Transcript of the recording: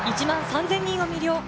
１万３０００人を魅了。